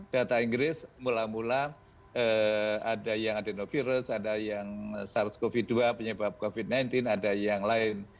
data inggris mula mula ada yang adenovirus ada yang sars cov dua penyebab covid sembilan belas ada yang lain